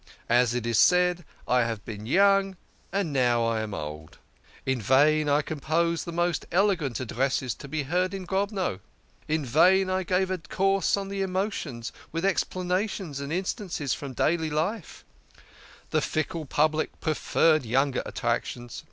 As it is said, ' I have been young, and now I am old.' In vain I com posed the most eloquent addresses to be heard in Grodno. In vain I gave a course on the emotions, with explanations and instances from daily life the fickle public preferred younger attrac tions.